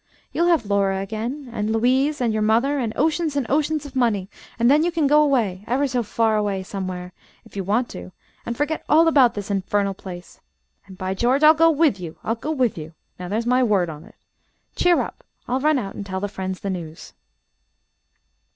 You'll have Laura again, and Louise, and your mother, and oceans and oceans of money and then you can go away, ever so far away somewhere, if you want to, and forget all about this infernal place. And by George I'll go with you! I'll go with you now there's my word on it. Cheer up. I'll run out and tell the friends the news."